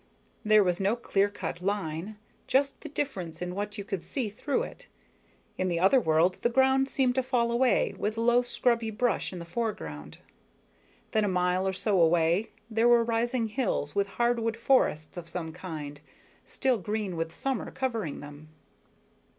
There was no clear cut line, just the difference in what you could see through it. In the other world, the ground seemed to fall away, with low scrubby brush in the foreground. Then, a mile or so away, there were rising hills with hardwood forests of some kind, still green with summer, covering them.